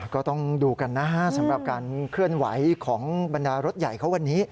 ก็ต้องดูกันนะฮะสำหรับการเคลื่อนไหวของบรรดารถใหญ่เขาวันนี้